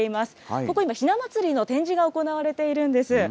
ここ、今、ひな祭りの展示が行われているんです。